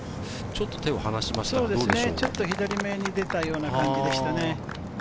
ちょっと左めに出たような感じでした。